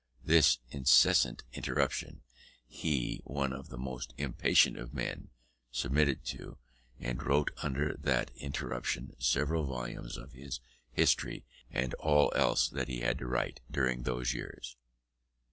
This incessant interruption, he, one of the most impatient of men, submitted to, and wrote under that interruption several volumes of his History and all else that he had to write during those years.